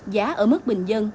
giá ở mức bình dân